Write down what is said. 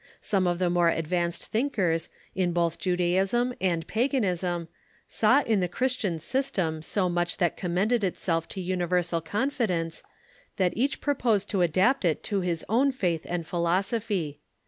Some of the more advanced thinkers in both Judaism and pa ganism saw in the Christian system so much that commended itself to universal confidence that each proposed to adapt it to his own faitli and philosophy.